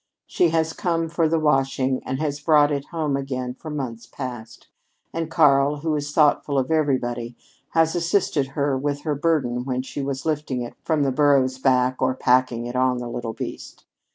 She has come for the washing and has brought it home again for months past, and Karl, who is thoughtful of everybody, has assisted her with her burden when she was lifting it from her burro's back or packing it on the little beast.